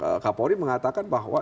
ahli kapolri mengatakan bahwa